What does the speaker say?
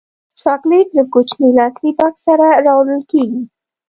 چاکلېټ له کوچني لاسي بکس سره راوړل کېږي.